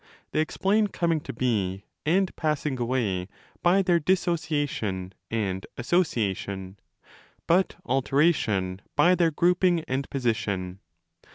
They explain coming to be and passing away by their 'dissociation' and 'association', but 'alteration' by their ' grouping' and ' position'.